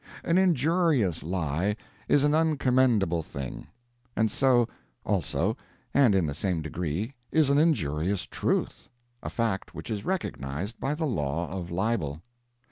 An injurious lie is an uncommendable thing; and so, also, and in the same degree, is an injurious truth a fact which is recognized by the law of libel.